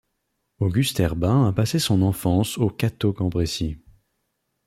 Auguste Herbin a passé son enfance au Cateau-Cambrésis.